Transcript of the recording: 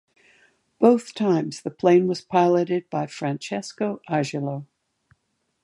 Both times the plane was piloted by Francesco Agello.